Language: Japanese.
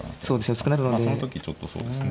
それはその時ちょっとそうですね。